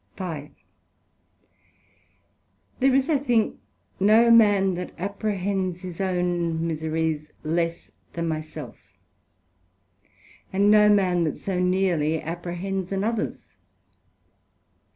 SECT.5 There is, I think, no man that apprehends his own miseries less than my self, and no man that so neerly apprehends anothers.